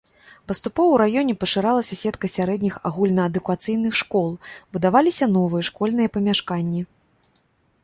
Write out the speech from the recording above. Паступова ў раёне пашыралася сетка сярэдніх агульнаадукацыйных школ, будаваліся новыя школьныя памяшканні.